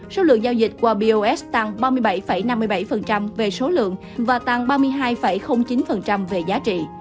số lượng giao dịch qua bos tăng ba mươi bảy năm mươi bảy về số lượng và tăng ba mươi hai chín về giá trị